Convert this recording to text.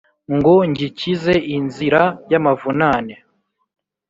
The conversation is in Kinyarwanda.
ngo ngikize inzira y'amavunane